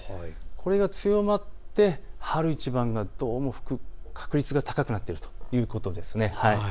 これが強まって春一番が吹く確率が高くなるということです。